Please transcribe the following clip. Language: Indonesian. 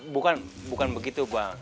bukan bukan begitu bang